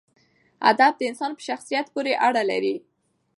ادب د انسان په شخصیت پورې اړه لري.